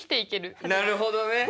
なるほどね。